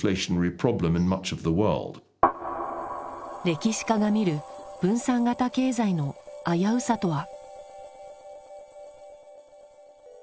歴史家が見る分散型経済の危うさとは。